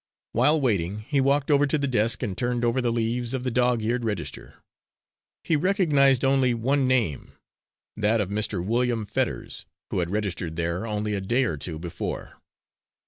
While waiting, he walked over to the desk and turned over the leaves of the dog eared register. He recognised only one name that of Mr. William Fetters, who had registered there only a day or two before.